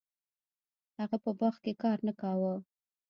هغه په باغ کې کار نه کاوه.